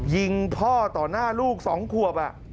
ยิงพ่อต่อหน้าลูก๒ขวบ